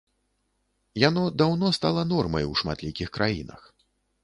Яно даўно стала нормай у шматлікіх краінах.